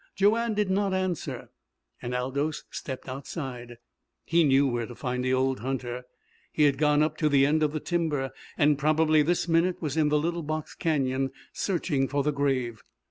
Joanne did not answer, and Aldous stepped outside. He knew where to find the old hunter. He had gone up to the end of the timber, and probably this minute was in the little box canyon searching for the grave.